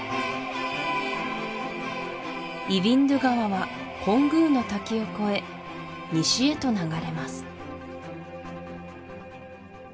イヴィンドゥ川はコングウの滝を越え西へと流れます